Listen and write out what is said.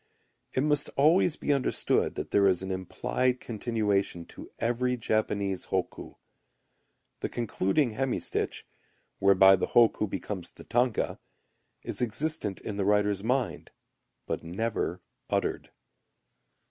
It must always be understood that there is an implied continuation to every Japanese hokku. The concluding hemistich, whereby the hokku becomes the tanka, is existent in the writer's mind, but never uttered.